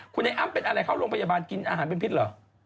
คุณไอ้อ้ำเป็นอะไรเข้าโรงพยาบาลกินอาหารเป็นพิษเหรอ